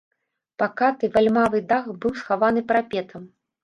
Пакаты вальмавы дах быў схаваны парапетам.